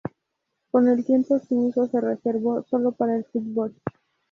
Con el tiempo su uso se reservó sólo para el fútbol.